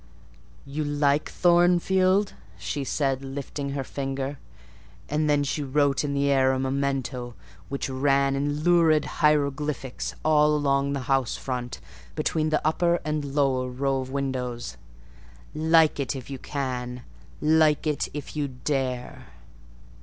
'You like Thornfield?' she said, lifting her finger; and then she wrote in the air a memento, which ran in lurid hieroglyphics all along the house front, between the upper and lower row of windows, 'Like it if you can! Like it if you dare!